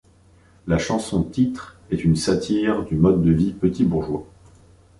La chanson titre est une satire du mode de vie petit-bourgeois.